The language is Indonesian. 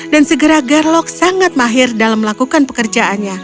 dan segera gerlok sangat mahir dalam melakukan pekerjaannya